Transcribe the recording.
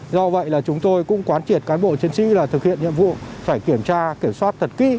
do vậy là chúng tôi cũng quán triệt cán bộ chiến sĩ là thực hiện nhiệm vụ phải kiểm tra kiểm soát thật kỹ